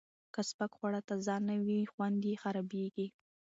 که سپک خواړه تازه نه وي، خوند یې خرابېږي.